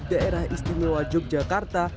daerah istimewa yogyakarta